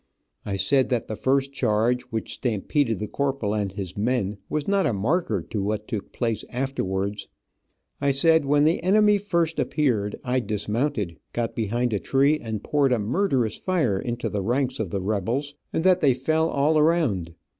I said that the first charge, which stampeded the corporal and his men, was not a marker to what took place afterwards. I said when the enemy first appeared, I dismounted, got behind a tree, and poured a murderous fire into the ranks of the rebels, and that they fell all around.